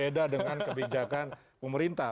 beda dengan kebijakan pemerintah